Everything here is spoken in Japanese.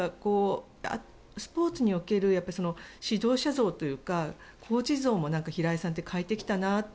スポーツにおける指導者像というかコーチ像も平井さんって変えてきたなって